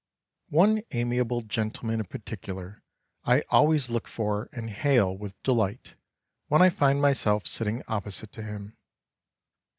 One amiable gentleman in particular I always look for and hail with delight when I find myself sitting opposite to him.